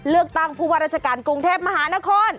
เลือกตั้งผู้ว่าราชการกรุงเทพมหานคร